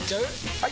・はい！